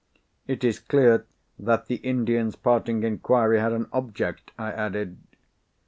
"It is clear that the Indian's parting inquiry had an object," I added.